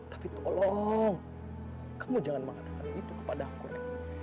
tapi tolong kamu jangan mengatakan itu kepadaku re